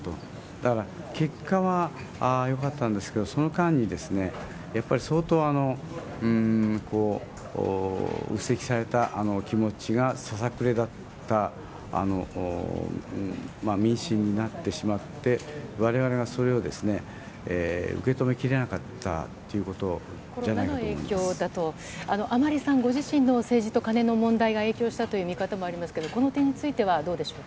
だから、結果はよかったんですけれども、その間にですね、やっぱり相当、うっ積された気持ちが、ささくれだった民心になってしまって、われわれがそれを受け止めきれなかったということじゃないかと思コロナの影響だと。甘利さんご自身の政治とカネの問題が影響したという見方もありますけれども、この点についてはどうでしょうか？